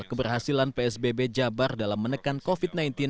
keberhasilan psbb jabar dalam menekan covid sembilan belas